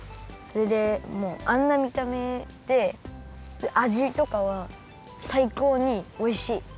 それでもあんなみためであじとかはさいこうにおいしい。